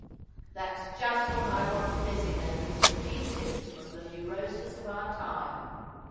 "That's just what I want to designate as the chief symptom of the neurosis of our time.